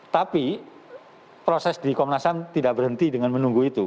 tapi proses di komnas ham tidak berhenti dengan menunggu itu